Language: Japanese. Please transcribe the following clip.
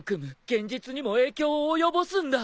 現実にも影響を及ぼすんだ！